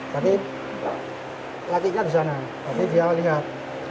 tapi laki laki di sana dia lihat